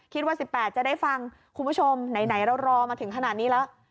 คิดว่า๑๘จะได้ฟังคุณผู้ชมไหนเรารอมาถึงขนาดนี้แล้ว